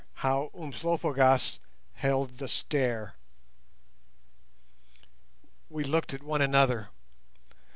HOW UMSLOPOGAAS HELD THE STAIR We looked at one another.